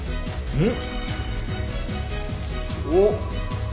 うん。